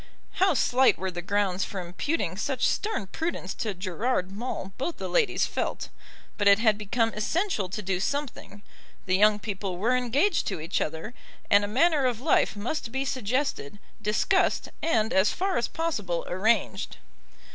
How slight were the grounds for imputing such stern prudence to Gerard Maule both the ladies felt; but it had become essential to do something; the young people were engaged to each other, and a manner of life must be suggested, discussed, and as far as possible arranged.